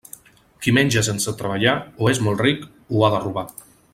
Qui menja sense treballar, o és molt ric, o ha de robar.